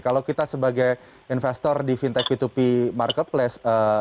kalau kita sebagai investor di fintech p dua p marketplace